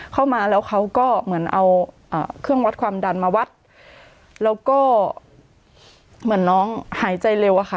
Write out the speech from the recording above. เข้ามาแล้วเขาก็เหมือนเอาเครื่องวัดความดันมาวัดแล้วก็เหมือนน้องหายใจเร็วอะค่ะ